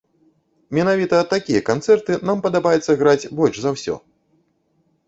Менавіта такія канцэрты нам падабаецца граць больш за ўсё.